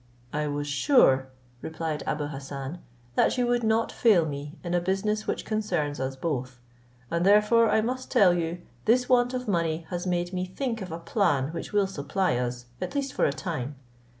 "I was sure," replied Abou Hassan, "that you would not fail me in a business which concerns us both; and therefore I must tell you, this want of money has made me think of a plan which will supply us, at least for a time.